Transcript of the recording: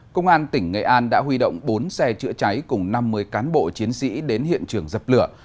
công an tỉnh nghệ an đã huy động bốn xe chữa cháy cùng năm mươi cán bộ chiến sĩ đến hiện trường dập lửa